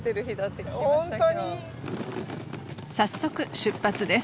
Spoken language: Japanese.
［早速出発です］